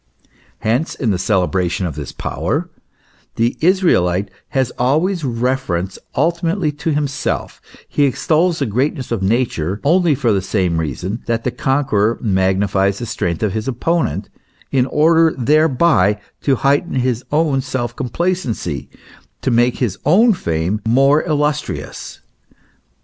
Hence, in the celebration of this power the Israelite has always reference ultimately to himself ; he extols the great ness of Nature only for the same reason that the conqueror magnifies the strength of his opponent, in order thereby to heighten his own self complacency, to make his own fame more illustrious.